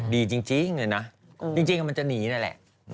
ดีจริงเลยนะจริงมันจะหนีนั่นแหละ